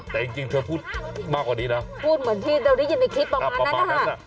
แต่จริงเธอพูดมากกว่านี้นะพูดเหมือนที่เราได้ยินในคลิปประมาณนั้นนะคะ